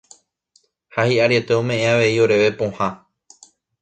Ha hi'ariete ome'ẽ avei oréve pohã.